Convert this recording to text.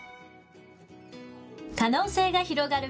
可能性が広がる